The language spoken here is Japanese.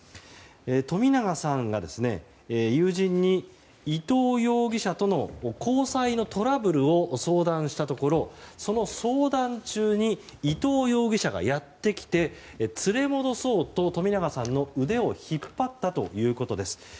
冨永さんが友人に伊藤容疑者との交際のトラブルを相談したところその相談中に伊藤容疑者がやってきて連れ戻そうと冨永さんの腕を引っ張ったということです。